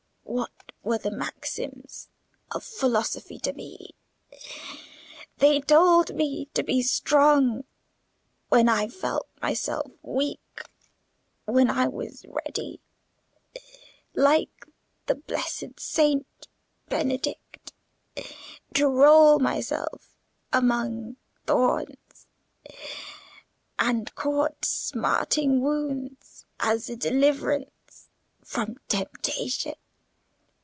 "What were the maxims of philosophy to me? They told me to be strong, when I felt myself weak; when I was ready, like the blessed Saint Benedict, to roll myself among thorns, and court smarting wounds as a deliverance from temptation.